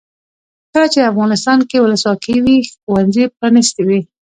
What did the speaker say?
کله چې افغانستان کې ولسواکي وي ښوونځي پرانیستي وي.